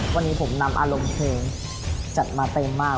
วันนี้ผมนำอารมณ์เพลงจัดมาเต็มมาก